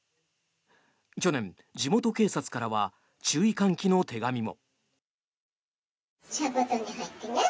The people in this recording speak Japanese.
去年、地元警察からは注意喚起の手紙も。